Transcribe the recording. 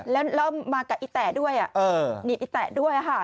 แล้วมากับอีแตะด้วยหนีบอีแตะด้วยค่ะ